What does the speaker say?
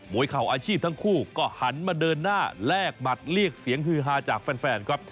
เข่าอาชีพทั้งคู่ก็หันมาเดินหน้าแลกหมัดเรียกเสียงฮือฮาจากแฟนครับ